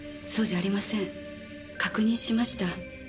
確認しました。